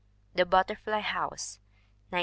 The Butterfly House, 1912.